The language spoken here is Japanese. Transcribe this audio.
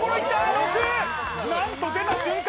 ６何と出た瞬間